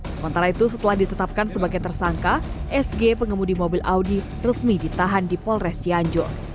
sementara itu setelah ditetapkan sebagai tersangka sg pengemudi mobil audi resmi ditahan di polres cianjur